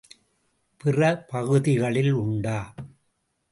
பிற பகுதிகளில் உண்டா?